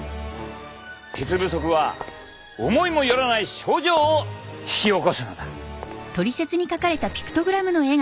鉄不足は思いも寄らない症状を引き起こすのだ。